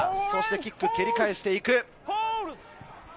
キックを蹴り返していく。